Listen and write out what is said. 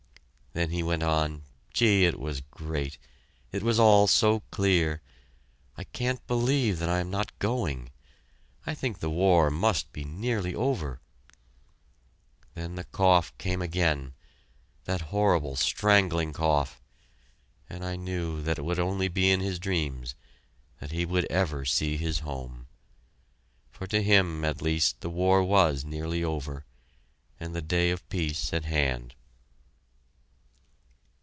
Then he went on: "Gee, it was great it was all so clear. I can't believe that I am not going! I think the war must be nearly over " Then the cough came again that horrible, strangling cough and I knew that it would be only in his dreams that he would ever see his home! For to him, at least, the war was nearly over, and the day of peace at hand.